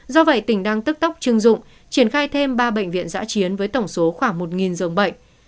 do vậy tỉnh đang tức tốc chưng dụng triển khai thêm ba bệnh viện giã chiến với tổng số khoảng một dường bệnh